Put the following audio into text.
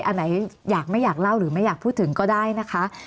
อันไหนอยากไม่อยากเล่าหรือไม่อยากพูดถึงก็ได้นะคะ